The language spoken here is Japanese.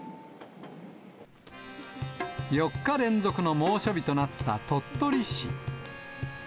４日連続の猛暑日となった鳥取市。